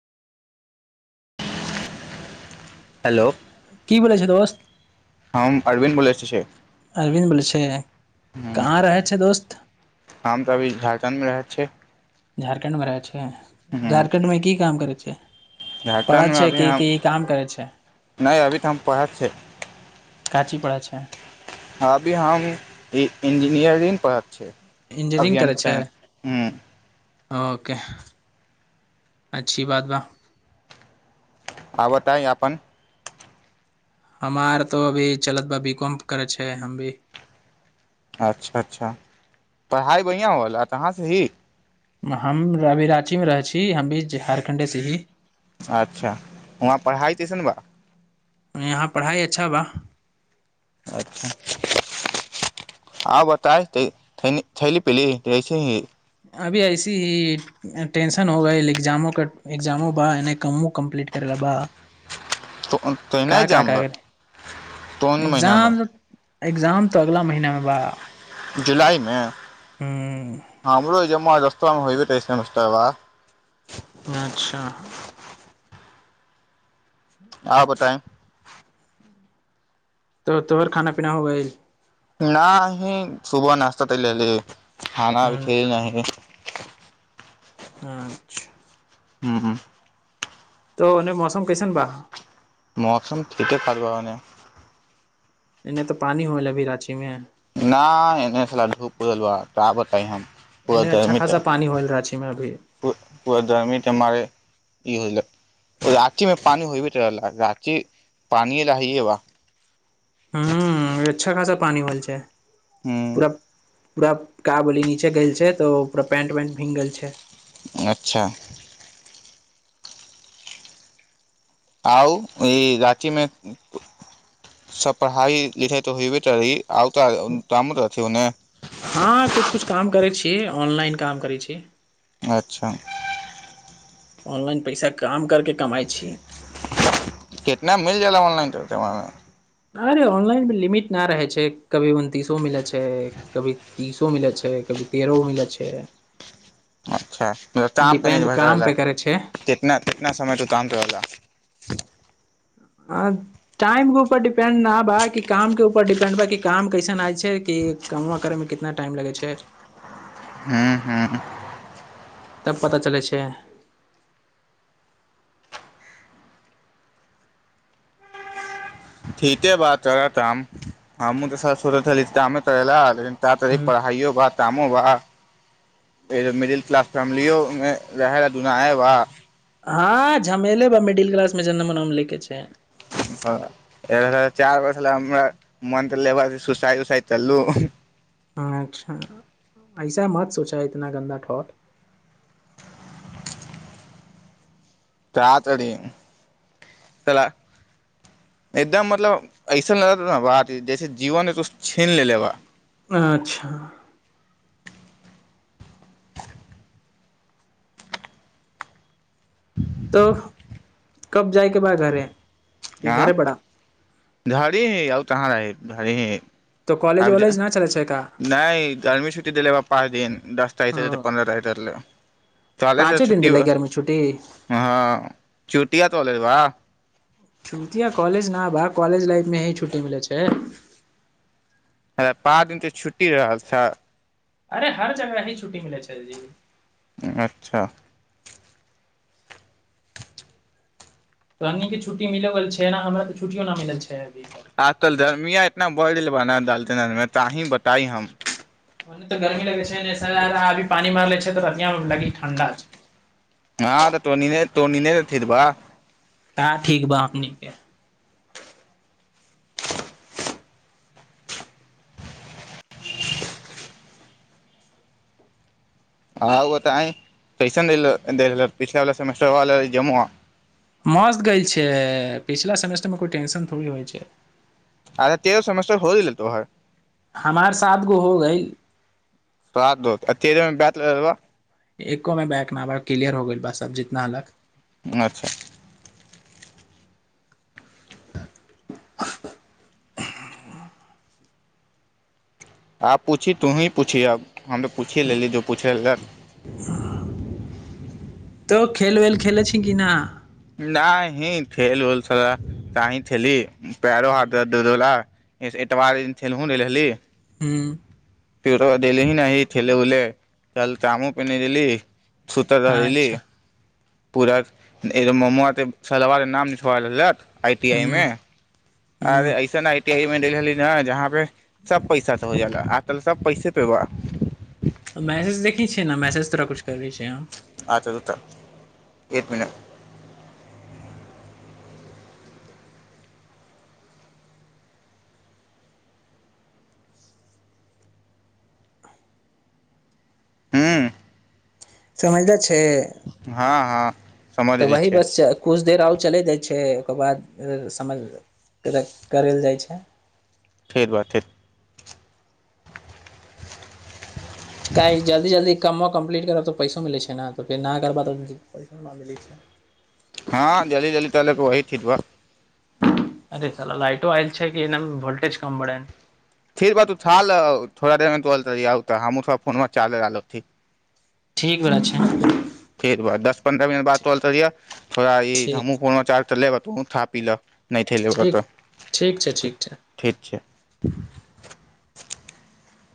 hello की बनै छै दोस्त हम अरविन्द बोलै छै अरविन्द बोलै छै कहाँ रहै छै दोस्त रखंडमे रहै छै झारखंडमे रहै छै झारखण्ड में की काम करै छै क तऽ झारखण्डमे अभी हम छै नहि अभी तऽ हम पढ़त छियै काची पढ़ै छै अभी हम इंजीनियरिंग पढ़त छै इंजीनियरिंग करै छै ओ के अच्छी बात बा आ बताय अपन हमार तो अभी चलत बा बी काॅम करत छैै हम भी अच्छा अच्छा पढ़ाइ बढ़िआँ होल त कहाँसँ ही हम अभि रांचीमे रहै छी हम भी झारखण्डेसँ ही अच्छा उहां पढ़ाइ कैसन बा यहाँ पढ़ाइ अच्छा बा अच्छा आ बताए थैली पीली की वैैसे ही अभी ऐसी ही टेंशन हो गइल एग्जामो क एग्जामो बा एनी कामो कम्पलिट करे ला बा त तो का नहि का जायब का ब करे तोन महीनामे एग्जाम एग्जाम तऽ अगलाा महीनामे बा जुलाइमे हूँ हमरो सम जस्त होबे तैस नस्त बा अच्छा आ बताइ त तोहर खाना पीना हो गइल नहि ही सुबह नश्ता ते लेलि खाना भी हूँ ख नहि [inaudible] अच्छा हुं हुं तऽ ओने मौसम कैसन बा मौसन ठीके ठाक बा ओने नहि नहि तऽ पानी होल अभी रांचीमे नाहि ए छल धढूप उदला तब पुअ एने अच्छा धर्मी त खासा पानी होइल राँची मे अभी पुरा धर्मी त मर ई हो राँची मे पानि होयबैत रहल रांची पानिेलाए हैये बा हं अच्छा खासा पानि होल छै हँ पूरा पूरा का बोली नीचे गेल छै तो पूरा पेंट वेंट भींग गेल छै अच्छा आउ ई रांचीमे सभ पढ़ाइ लिखाइ तऽ होयबे करी आउ तऽ कामो त रहथिन ओन्ने हँ कुछ कुछ काम करै छीयै ऑनलाइन काम करै छीयै अच्छा ऑनलाइन पैसा काम करके कमाइ छी केत ना मिलि जाएलै ऑनलाइन त देमे अरे ऑनलाइनमे लिमिट न रहै छै कभी उन तीसो मिलै छै छै कभी तीसो मिलैत छै कभी तेरहो मिलैत छै अच्छा काम त डिपेंड निभर काम रहल पे करै छै आ कितना कितना समय तू काम कर रहला [inaudible] ह टाइमके ऊपर डिपेंड न बा कि कामके ऊपर डिपेंड बा कि काम कैसन आइ छै कि कामआ करयमे कितना टाइम लगै छै हं हँ तब पता चलै छै ठीके बात कर ताम हमू तऽ सोचै छली कामे कर' लेल लेकिन तातहिक पढ़ाइयो बा तामो बा मिडिल क्लास फैमिलियोमे रह रह दुुना हय वा हँ झमेले ब मिडिल क्लासमे जनमनामे ले के छै चारि बस हमरा मन त लेब सुसाइ उसाइ कललू अच्छा ऐसा मत सोचा है इतना गन्दा ठोठ ता तरी सला एकदम मतलब ऐसन ल रह बात जैसे जीवन ह तो छीन लेले बा अच्छा तऽ कब जायके बा घरे कि का घरे पड़ा घरी हीं औ तहां रही भर त कॉलेज वॉलेज न चलै छै का नहि गरमी सुटी दल ब पच दिन दस तारी तऽ हँ पन्द्र तारील तलेसँ पाँचे दिन छुट्टी देलै गर्मी छुट्टी ह चू पटिया तऽोलल वा छुटटिया कॉलेज न बा कॉलेज लाइफ मे ही छुट्टी मिलै छै अ पाँच दिन त छुट्टी रहल छ अरे हर जगह ही छु्टी मिलै छै जी अच्छा पन्नी के छुट्टी मिले छै ने हमरा तऽ छुट्टियो न मिलल छै अभी तक आजकल धर्मिया एतना ब बाना ालते न तहिी बताइ हम मने तऽ गरमी लगे छै स आभी पान मरि ले छै तऽ प ली ठणं्डा तटोनी नहिथििरबा तै ठीक बा हमनि के हँ ओ तऽ अ टूशन पछला बला सेटर जम मस्त ग गेल छै पिछला सेमेस्टरमे कोइ टेंशन थोड़ी होइ छै अ तेरह सेमस्टर हो दिलै तोहर हमार साथ गो हो गई सा द अत ब एको मे बैक न ब क्लियर हो गेल बस अब जितना हलक अच्छा [inaudible] आब पूछि तूही पूछि अब हम तऽ पूछिए लेलीै जो पूछय लेलक तऽ खेल वेल खेल छी कि न न ही खेल उल चाही खेली पैरो हाथ दला एतबार दिन खेलहु रहली हँ पर दी ही नहि ठेल उल तल तामू पिन्हनी देली सुत रहलली अच्छा पूरा ए मोमोे सलवारके नाम लिछबल हत आइ टी आइ हूँ मे आ रे हूँ अइसन मेी जहाँ पे सब पैसा त हो जा आ तल सब पैसे पे बा म मैसेज तोराछु करै छी हम अच्छा रुक एक म हँ समझद छै हँ हँ समझ तऽ गेली वही छै बस कुछ देर आउ चलै जाइ छै ओकर बाद समझ करल जाइ छै फठेर बात ठर [inaudible] किल जल्दि जल्दि कमो कम्प्लीट करबऽ तऽ पैसो मिलैत छै ने तऽ फेर नहि करबऽ तऽ पैसो नहि मिलै छै हँ जल्दि जल्दि त लेब वहीं ठीक बा अरे चल' लाइटो आइल छै कि एना वोलटेज कम बारै ठीक बा तू थोड़ा देरमे तोऽ हमहूँ फोन चार्ज ला लक ठीक भेलला छै फेर बाद दस पन्द्रह मिनट बाद ताल तरिह थोड़ा ई ठीक हमूँ कोनाचार त लेब तुहुं था पी लऽ नहि छैे लै ओकर ठीक ठीक छै छै ठीक छै [inaudible]